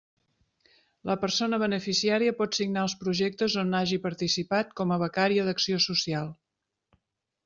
La persona beneficiària pot signar els projectes on hagi participat com a becària d'acció social.